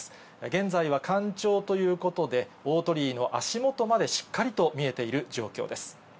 現在は干潮ということで、大鳥居の足元までしっかりと見えている状況です。